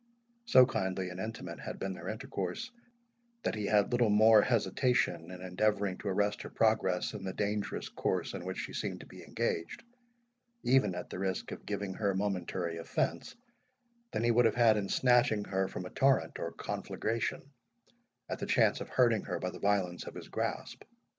So kindly and intimate had been their intercourse, that he had little more hesitation in endeavouring to arrest her progress in the dangerous course in which she seemed to be engaged, even at the risk of giving her momentary offence, than he would have had in snatching her from a torrent or conflagration, at the chance of hurting her by the violence of his grasp.